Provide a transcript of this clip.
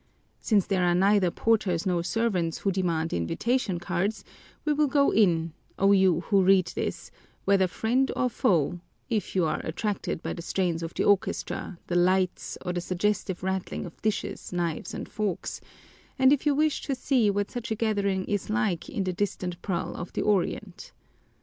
Since there are neither porters nor servants who demand invitation cards, we will go in, O you who read this, whether friend or foe, if you are attracted by the strains of the orchestra, the lights, or the suggestive rattling of dishes, knives, and forks, and if you wish to see what such a gathering is like in the distant Pearl of the Orient.